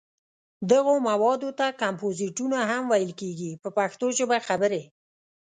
دغو موادو ته کمپوزېټونه هم ویل کېږي په پښتو ژبه خبرې.